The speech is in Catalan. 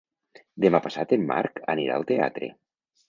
Demà passat en Marc anirà al teatre.